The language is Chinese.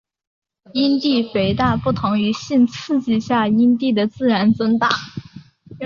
阴蒂肥大不同于性刺激下阴蒂的自然增大。